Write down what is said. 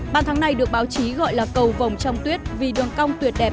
bàn thắng này được báo chí gọi là cầu vòng trong tuyết vì đường cong tuyệt đẹp